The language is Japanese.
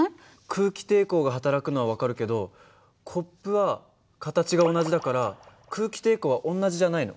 空気抵抗がはたらくのは分かるけどコップは形が同じだから空気抵抗は同じじゃないの？